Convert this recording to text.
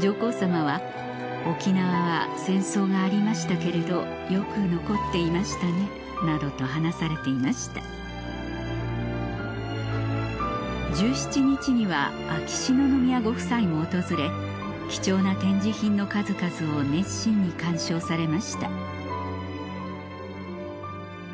上皇さまは「沖縄は戦争がありましたけれどよく残っていましたね」などと話されていました１７日には秋篠宮ご夫妻も訪れ貴重な展示品の数々を熱心に鑑賞されました